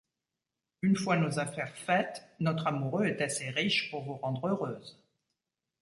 Une fois nos affaires faites, notre amoureux est assez riche pour vous rendre heureuse…